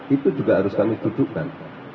itu juga harus kami dudukkan